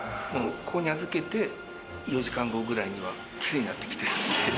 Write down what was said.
ここに預けて、４時間後ぐらいにはきれいになってきてるんで。